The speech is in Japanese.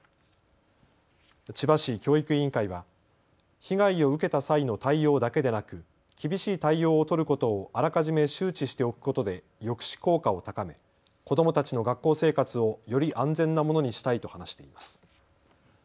千葉市教育委員会は被害を受けた際の対応だけでなく厳しい対応を取ることをあらかじめ周知しておくことで抑止効果を高め、子どもたちの学校生活をより安全なものにしたいと話しています。